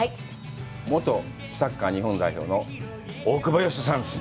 元サッカー日本代表の大久保嘉人さんです。